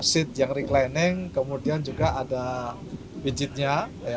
suite yang reclining kemudian juga ada widgetnya